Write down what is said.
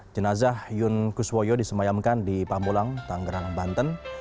jenazah yon kuswoyo disemayamkan di pambulang tangerang banten